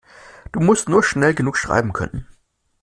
Du musst nur schnell genug schreiben können.